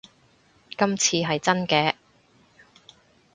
今次係真嘅